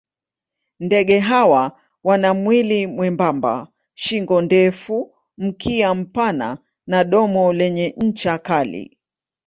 Ndege hawa wana mwili mwembamba, shingo ndefu, mkia mpana na domo lenye ncha kali.